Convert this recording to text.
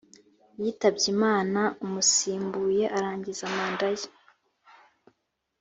yitabye imana umusimbuye arangiza manda ye